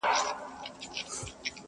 ډېر پخوا سره ټول سوي ډېر مرغان وه.!